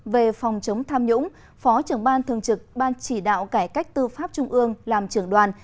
về phòng chống tham nhũng phó trưởng ban thường trực ban chỉ đạo cải cách tư pháp trung ương làm trưởng đoàn